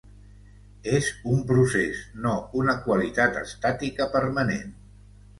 És un procés, no una qualitat estàtica permanent.